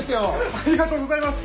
ありがとうございます！